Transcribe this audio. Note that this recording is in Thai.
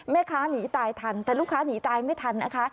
แม่ค้าหนีตายทันแต่ลูกค้าหนีตายไม่ทันนะคะ